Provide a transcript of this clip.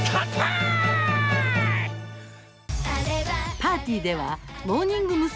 パーティーではモーニング娘。